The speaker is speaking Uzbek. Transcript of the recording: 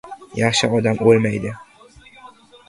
• Yaxshi odam o‘lmaydi.